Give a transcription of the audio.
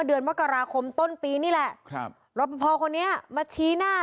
เดือนมกราคมต้นปีนี่แหละครับรอปภคนนี้มาชี้หน้า